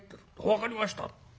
「分かりました」。